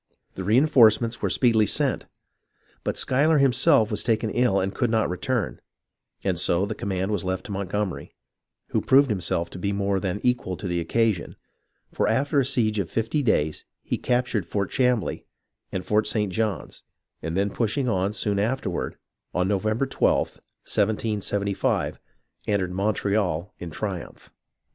The reen forcements were speedily sent, but Schuyler himself was taken ill and could not return, and so the command was left to Montgomery, who proved himself to be more than equal to the occasion; for after a siege of fifty days he captured Fort Chambly and Fort St. John's, and then push ing on, soon afterward, on November 12th, 1775, entered Montreal in triumph.